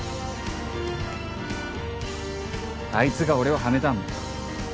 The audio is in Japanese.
あいつが俺をハメたんだ。